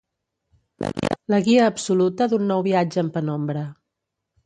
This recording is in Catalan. La guia absoluta d'un nou viatge en penombra.